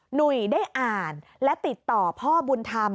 หนุ่ยได้อ่านและติดต่อพ่อบุญธรรม